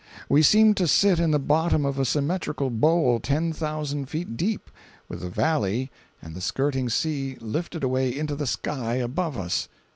We seemed to sit in the bottom of a symmetrical bowl ten thousand feet deep, with the valley and the skirting sea lifted away into the sky above us!